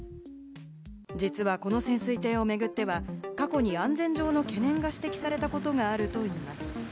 実はこの潜水艇を巡っては、過去に安全上の懸念が指摘されたことがあるといいます。